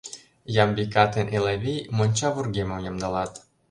Ямбика ден Элавий монча вургемым ямдылат.